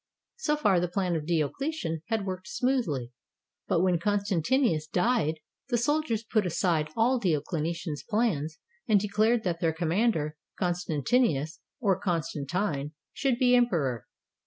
So far the plan of Diocletian had worked smoothly ; but when Con stantius died, the soldiers put aside all Diocletian's plans and declared that their commander, Constantinus, or Constantine, should be emperor.